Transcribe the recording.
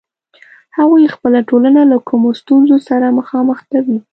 هغوی خپله ټولنه له کومو ستونزو سره مخامخ کوي.